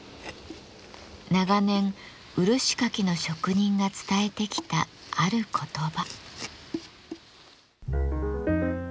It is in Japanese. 長年漆かきの職人が伝えてきたある言葉。